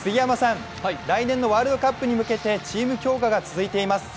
来年のワールドカップに向けてチーム強化が続いています。